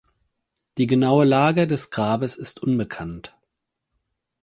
Die genaue Lage des Grabes ist unbekannt.